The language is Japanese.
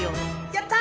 やった！